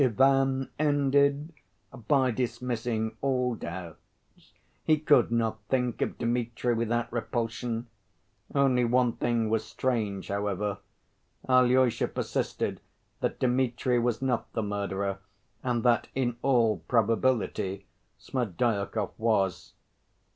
Ivan ended by dismissing all doubts. He could not think of Dmitri without repulsion. Only one thing was strange, however. Alyosha persisted that Dmitri was not the murderer, and that "in all probability" Smerdyakov was.